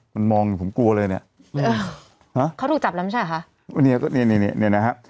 มันมองผมกลัวเลยเนี้ยเออฮะเขาถูกจับแล้วมั้ยใช่หรอค่ะนี่นี่นี่นี่นี่นะฮะ